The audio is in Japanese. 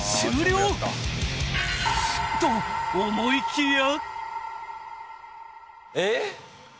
［と思いきや］